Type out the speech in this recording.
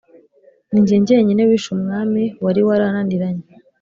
Ninjye njyenyine wishe umwami wari warananiranye